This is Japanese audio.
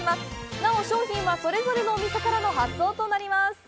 なお、商品はそれぞれのお店からの発送となります。